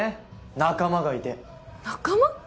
仲間がいて仲間！？